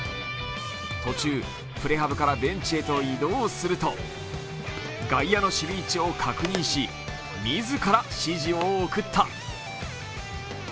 途中、プレハブからベンチへと移動をすると外野の守備位置を確認し、自ら指示を送った。